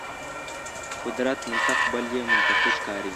قدرت منطق بل بې منطقي ښکاري.